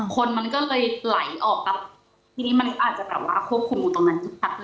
คนมันก็เลยไหลออกทีนี้มันอาจจะแปลว่าควบคุมอยู่ตรงนั้น